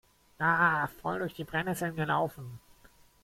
Ah, voll durch die Brennnesseln gelaufen!